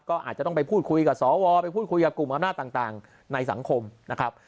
ก็อาจจะต้องไปพูดคุยกับสวไปพูดคุยกับกลุ่มอำนาจต่างในสังคมนะครับ